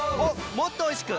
もっとおいしく！